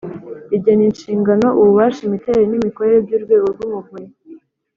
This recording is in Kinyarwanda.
rigena inshingano, ububasha, imiterere n’imikorere by'urwego rw'umuvunyi,